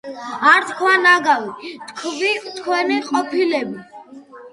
არ თქვათ ნაგავი თქვით თქვენი ყოფილები